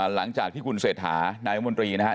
หลังจากที่คุณเศรษฐานายมนตรีนะครับ